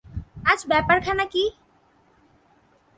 আজ ব্যাপারখানা কী?